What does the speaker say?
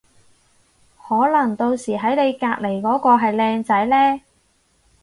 可能到時喺你隔離嗰個係靚仔呢